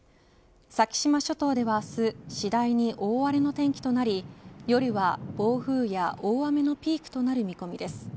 先島諸島では明日次第に大荒れの天気となり夜は暴風や大雨のピークとなる見込みです。